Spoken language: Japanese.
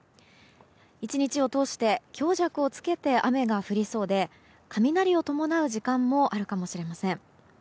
１日を通して強弱をつけて雨が降りそうで雷を伴う時間もあるかもしれません。